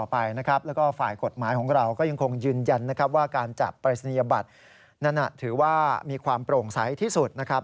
โปร่งใสที่สุดนะครับ